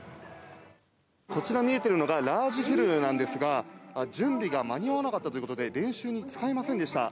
こちら見えてるのがラージヒルなんですが、準備が間に合わなかったということで、練習に使えませんでした。